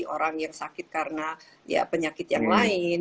orang yang sakit karena penyakit yang lain